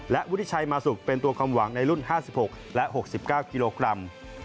และวุฒิชัยมาสุกเป็นตัวความหวังในรุ่น๕๖และ๖๙กิโลกรัม